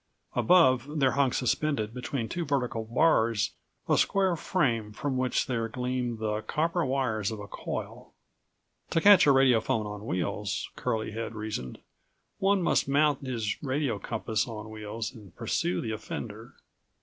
Above there hung suspended between two vertical bars a square frame from which there gleamed the copper wires of a coil. To catch a radiophone on wheels, Curlie had reasoned, one must mount his radio compass on wheels and pursue the offender.